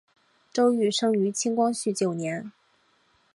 周珏生于清光绪九年。